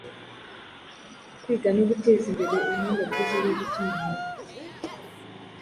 Kwiga no guteza imbere ubuhanga bwiza bwo gutumanaho